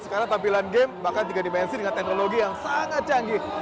sekarang tampilan game bahkan juga dimensi dengan teknologi yang sangat canggih